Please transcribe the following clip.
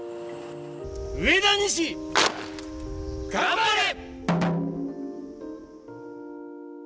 上田西、頑張れ！